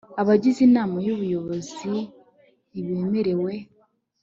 abagize inama y ubuyobozi ntibemerewe